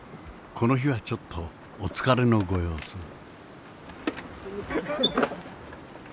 この日はちょっとお疲れのご様子。